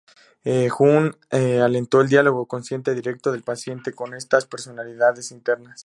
Jung alentó el diálogo consciente directo del paciente con estas personalidades internas.